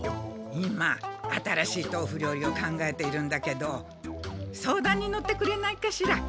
今新しいとうふ料理を考えているんだけど相談に乗ってくれないかしら。